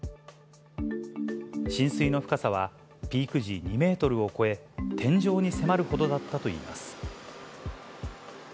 浸水の深さはピーク時、２メートルを超え、天井に迫るほどだったといいます。